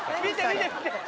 見て見て。